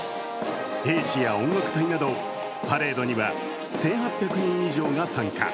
兵士や音楽隊など、パレードには１８００人以上が参加。